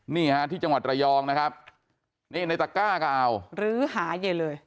นี่ฮะที่จังหวัดระยองนะครับนี่ในตะก้าก็เอารื้อหายายเลย